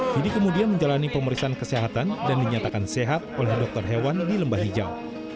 fidi kemudian menjalani pemeriksaan kesehatan dan dinyatakan sehat oleh dokter hewan di lembah hijau